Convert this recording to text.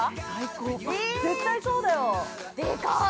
絶対そうだよ。◆でかっ！